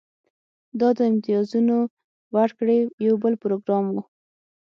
دا د امتیازونو ورکړې یو بل پروګرام و